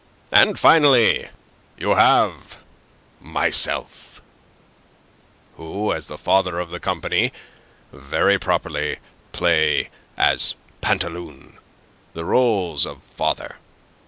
And finally, you have myself, who as the father of the company very properly play as Pantaloon the roles of father.